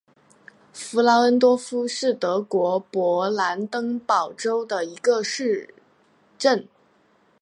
弗劳恩多夫是德国勃兰登堡州的一个市镇。